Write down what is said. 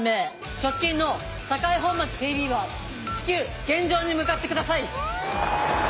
直近の栄本町ＰＢは至急現場に向かってください。